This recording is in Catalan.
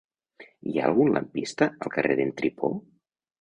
Hi ha algun lampista al carrer d'en Tripó?